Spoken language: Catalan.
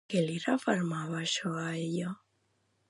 Què li refermava això a ella?